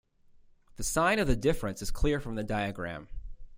The sign of the difference is clear from the diagram.